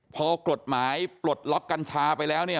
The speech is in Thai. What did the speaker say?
พอกฎหมายปลดล็อกกัญชาไปแล้วเนี่ย